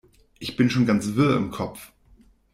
Ich bin schon ganz wirr im Kopf.